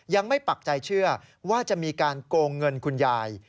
ปักใจเชื่อว่าจะมีการโกงเงินคุณยาย